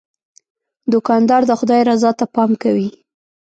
دوکاندار د خدای رضا ته پام کوي.